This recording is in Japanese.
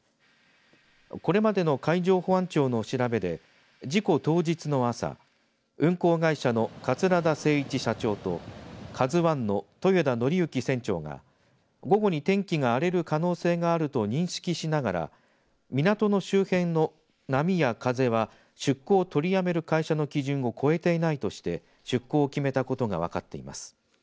これまでの海上保安庁の調べで事故当日の朝、運航会社の桂田精一社長とＫＡＺＵＩの豊田徳幸船長が午後に天気が荒れる可能性があると認識しながら港の周辺の波や風は出航を取りやめる会社の基準を超えていないとして出航を決めたことが分かっています。